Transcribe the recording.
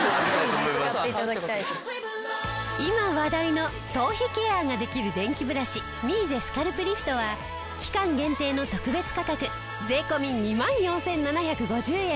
今話題の頭皮ケアができる電気ブラシミーゼスカルプリフトは期間限定の特別価格税込２万４７５０円。